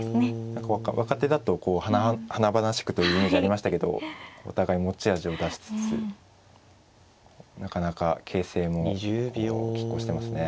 何か若手だと華々しくというイメージありましたけどお互い持ち味を出しつつなかなか形勢もきっ抗してますね。